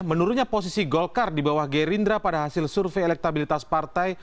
menurutnya posisi golkar di bawah gerindra pada hasil survei elektabilitas partai